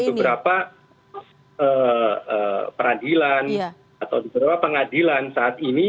di beberapa peradilan atau di beberapa pengadilan saat ini